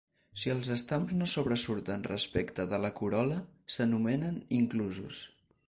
Si els estams no sobresurten respecte de la corol·la, s'anomenen inclusos.